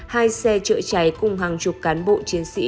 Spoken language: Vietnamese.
hai xe chữa cháy cùng hàng chục cán bộ chiến sĩ